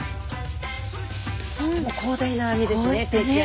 とっても広大な網ですね定置網。